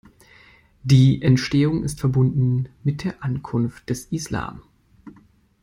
Die Entstehung ist verbunden mit der Ankunft des Islam.